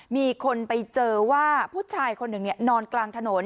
มีคนไปเจอว่าผู้ชายคนหนึ่งนอนกลางถนน